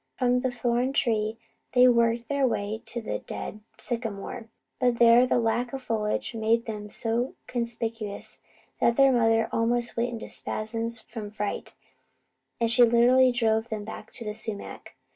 From the thorn tree they worked their way to the dead sycamore; but there the lack of foliage made them so conspicuous that their mother almost went into spasms from fright, and she literally drove them back to the sumac.